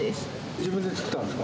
自分で作ったんですか？